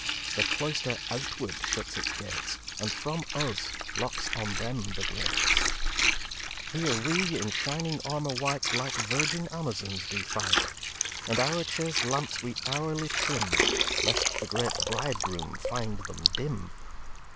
The Cloyster outward shuts its Gates, And, from us, locks on them the Grates. xiv "Here we, in shining Armour white, Like Virgin Amazons do fight. And our chast Lamps we hourly trim, Lest the great Bridegroom find them dim.